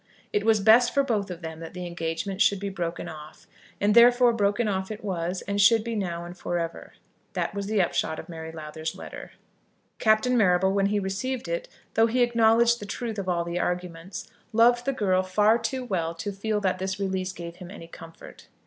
It was best for both of them that the engagement should be broken off; and, therefore, broken off it was, and should be now and for ever. That was the upshot of Mary Lowther's letter. [Illustration: Mary Lowther writes to Walter Marrable.] Captain Marrable when he received it, though he acknowledged the truth of all the arguments, loved the girl far too well to feel that this release gave him any comfort.